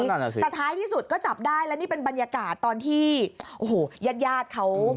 นั่นแหละสิแต่ท้ายที่สุดก็จับได้และนี่เป็นบรรยากาศตอนที่โอ้โหญาติญาติเขา